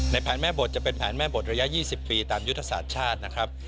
แผนแม่บทจะเป็นแผนแม่บทระยะ๒๐ปีตามยุทธศาสตร์ชาตินะครับ